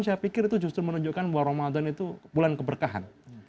saya pikir itu justru menunjukkan bahwa ramadan itu bulan keberkahan